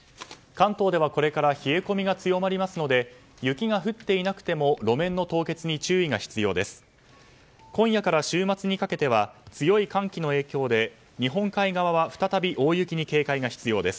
関東では、これから冷え込みが強まりますので雪が降っていなくても路面の凍結に注意が必要です。